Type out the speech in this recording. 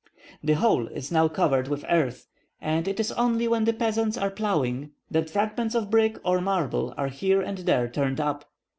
The whole is now covered with earth, and it is only when the peasants are ploughing, that fragments of brick or marble are here and there turned up.